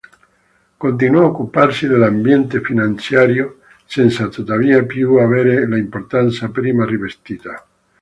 Continuò a occuparsi dell'ambiente finanziario, senza tuttavia più avere l'importanza prima rivestita.